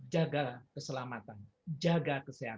jaga keselamatan jaga kesehatan